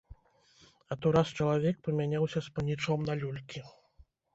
А то раз чалавек памяняўся з панічом на люлькі.